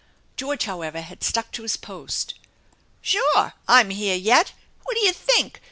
George, however, had stuck to his post. "Sure! I'm here yet! What'd ya think